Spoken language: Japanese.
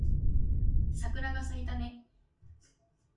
桜が咲いたね